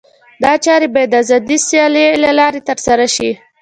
دا چارې باید د آزادې سیالۍ له لارې ترسره شي.